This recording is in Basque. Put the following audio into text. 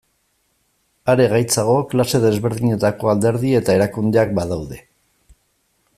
Are gaitzagoa klase desberdinetako alderdi eta erakundeak badaude.